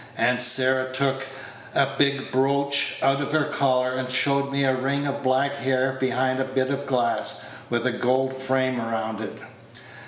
Aunt Sarah took a big brooch out of her collar, and showed me a ring of black hair behind a bit of glass, with a gold frame round it.